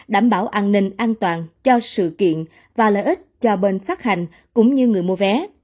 đảm bảo an ninh an toàn cho sự kiện và lợi ích cho bên phát hành cũng như người mua vé